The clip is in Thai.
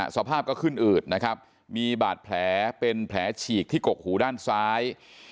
สภาพก็ขึ้นอืดนะครับมีบาดแผลเป็นแผลฉีกที่กกหูด้านซ้าย